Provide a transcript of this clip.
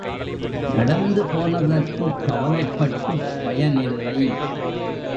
நடந்து போனதற்குக் கவலைப் பட்டுப் பயனில்லை.